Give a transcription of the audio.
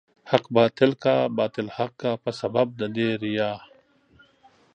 حق باطل کا، باطل حق کا په سبب د دې ريا